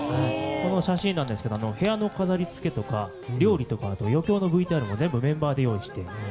この写真ですけど部屋の飾りつけとか料理とか余興のＶＴＲとかも全部メンバーで用意して。